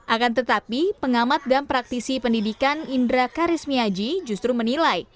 akan tetapi pengamat dan praktisi pendidikan indra karismiaji justru menilai